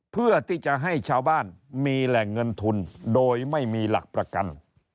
เพื่อที่จะให้ชาวบ้านมีแหล่งเงินทุนโดยไม่มีหลักประกัน